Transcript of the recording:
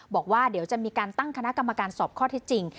บอกว่าเดี๋ยวจะมีการตั้งคณะกรรมการสอบข้อเท็จจริง